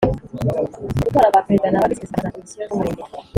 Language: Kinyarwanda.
Gutora ba Perezida na ba Visi Perezida ba za Komisiyo z Umurenge